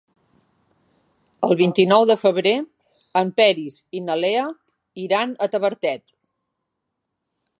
El vint-i-nou de febrer en Peris i na Lea iran a Tavertet.